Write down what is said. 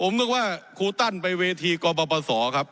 ผมนึกว่าครูตั้นไปเวทีกปศครับ